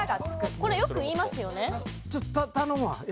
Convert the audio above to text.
これよく言いますよね。